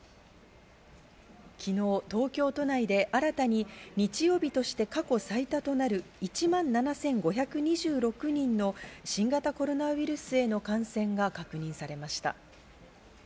昨日、東京都内で新たに日曜日として過去最多となる１万７５２６人の新型コロナウイルスへの感染が確認されました。